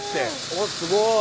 おっすごい。